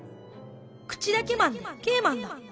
口だけマンでＫマンだ。